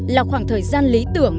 là khoảng thời gian lý tưởng